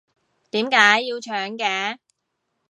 點解要搶嘅？